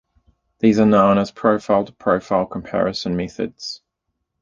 These are known as profile-profile comparison methods.